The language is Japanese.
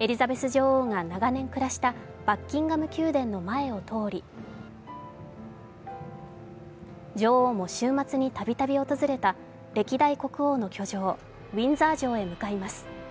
エリザベス女王が長年暮らしたバッキンガム宮殿の前を通り女王も週末に度々訪れた歴代国王の居城ウィンザー城へ向かいます。